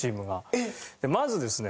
まずですね